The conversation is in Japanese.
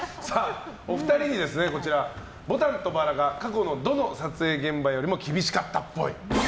お二人に、「牡丹と薔薇」が過去のどの撮影現場よりも厳しかったっぽい。